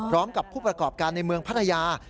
พร้อมกับผู้ประกอบการในเมืองพัทยา